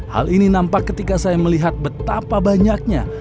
hal ini nampak ketika saya melihat betapa banyaknya